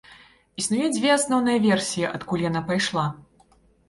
Існуе дзве асноўныя версіі, адкуль яна пайшла.